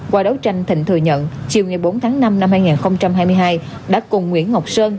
qua đấu tranh thịnh thừa nhận chiều ngày bốn tháng năm năm hai nghìn hai mươi hai đã cùng nguyễn ngọc sơn